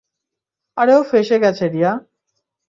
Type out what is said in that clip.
আরে ও ফেসে গেছে, রিয়া।